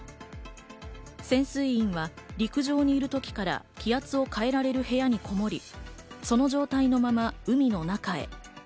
潜水員は陸上にいる時から気圧を変えられる部屋にこもり、その状態のまま海の中へ。